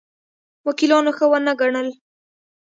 وکیلانو ښه ونه ګڼل.